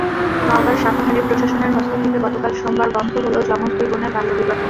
নওগাঁর সাপাহারে প্রশাসনের হস্তক্ষেপে গতকাল সোমবার বন্ধ হলো যমজ দুই বোনের বাল্যবিবাহ।